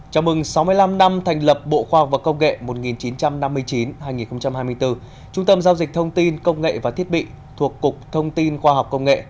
chào mừng sáu mươi năm năm thành lập bộ khoa học và công nghệ một nghìn chín trăm năm mươi chín hai nghìn hai mươi bốn trung tâm giao dịch thông tin công nghệ và thiết bị thuộc cục thông tin khoa học công nghệ